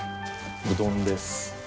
うどんです。